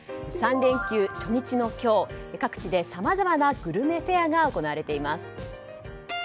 ３連休初日の今日各地でさまざまなグルメフェアが行われています。